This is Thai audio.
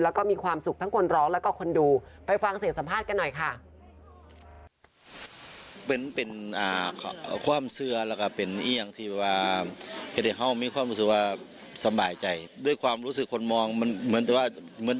แล้วก็มีความสุขทั้งคนร้องแล้วก็คนดู